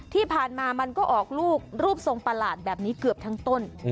ที่ผ่านมามันก็ออกลูกรูปทรงประหลาดแบบนี้เกือบทั้งต้น